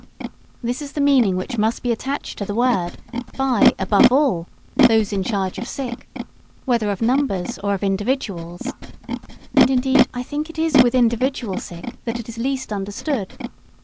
This is the meaning which must be attached to the word by (above all) those "in charge" of sick, whether of numbers or of individuals, (and indeed I think it is with individual sick that it is least understood.